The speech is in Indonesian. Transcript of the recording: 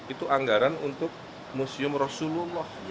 itu anggaran untuk museum rasulullah